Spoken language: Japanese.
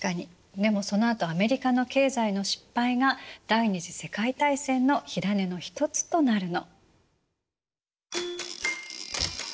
でもそのあとアメリカの経済の失敗が第二次世界大戦の火種の一つとなるの。